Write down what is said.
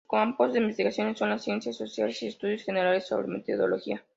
Sus campos de investigación son las ciencias sociales y estudios generales sobre metodología.